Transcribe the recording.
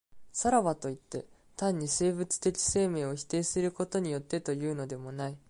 さらばといって、単に生物的生命を否定することによってというのでもない。